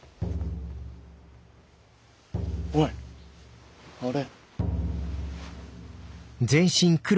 おいあれ。